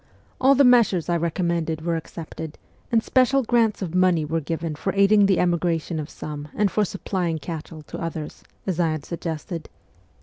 All the measures I recommended were accepted, and special grants of money were given for aiding the emigration of some and for supplying cattle to others, as I had suggested.